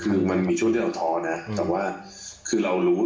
คือมันมีช่วงที่เราท้อนะแต่ว่าคือเรารู้